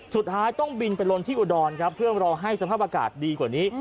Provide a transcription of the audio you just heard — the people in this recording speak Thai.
สุดท้ายต้องบินไปลนที่อุดรครับเพื่อรอให้สภาพอากาศดีกว่านี้